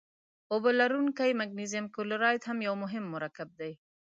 اوبه لرونکی مګنیزیم کلورایډ هم یو مهم مرکب دی.